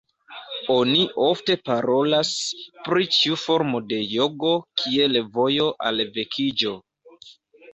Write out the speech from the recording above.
Oni ofte parolas pri ĉiu formo de jogo kiel "vojo" al vekiĝo.